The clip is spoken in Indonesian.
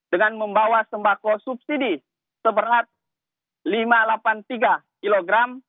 dengan membawa sembako subsidi seberat lima ratus delapan puluh tiga kg